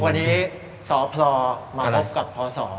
วันนี้สพมาพบกับพศ